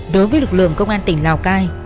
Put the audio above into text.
đối với lực lượng công an tỉnh lào cai